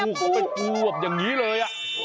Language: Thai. คูกก็เป็นกูอกอย่างนี้เลย